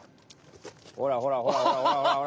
ほらほらほら。